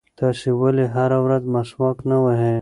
تاسې ولې هره ورځ مسواک نه وهئ؟